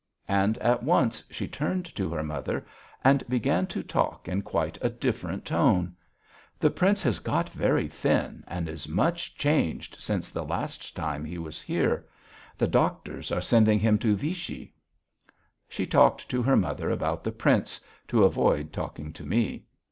And at once she turned to her mother and began to talk in quite a different tone: "The Prince has got very thin, and is much changed since the last time he was here. The doctors are sending him to Vichy." She talked to her mother about the Prince to avoid talking to me.